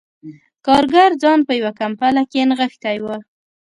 کارګر ځان په یوه کمپله کې نغښتی و